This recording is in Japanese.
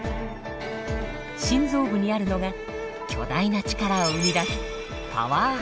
心臓部にあるのが巨大な力を生み出すパワー半導体です。